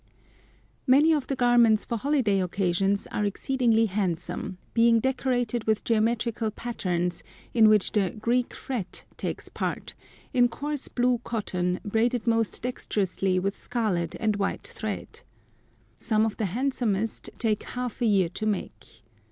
Many of the garments for holiday occasions are exceedingly handsome, being decorated with "geometrical" patterns, in which the "Greek fret" takes part, in coarse blue cotton, braided most dexterously with scarlet and white thread. Some of the handsomest take half a year to make.